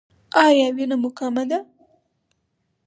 ایا وینه مو کمه ده؟